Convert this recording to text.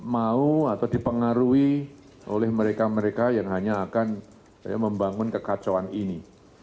mau atau dipengaruhi oleh mereka mereka yang hanya akan membangun kekacauan ini